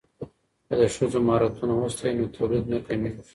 که د ښځو مهارتونه وستایو نو تولید نه کمیږي.